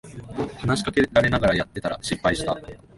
話しかけられながらやってたら失敗した